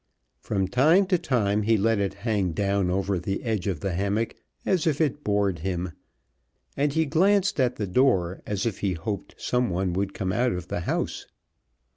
From time to time he let it hang down over the edge of the hammock, as if it bored him, and he glanced at the door as if he hoped someone would come out of the house.